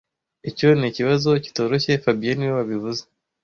Icyo nikibazo kitoroshye fabien niwe wabivuze